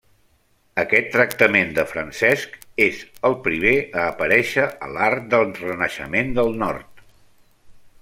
Aquest tractament de Francesc és el primer a aparèixer a l'art del renaixement del nord.